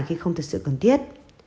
khi không thực sự cần thiết